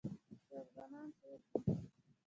چې افغانان څوک دي.